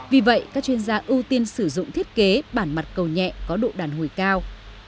vì vậy các chuyên gia ưu tiên sử dụng thiết kế bản mặt cầu nhẹ có độ đàn hồi cao